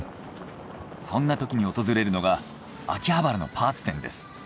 そんなときに訪れるのが秋葉原のパーツ店です。